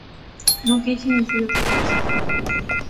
Non quixen dicir outra cousa, ¡eh!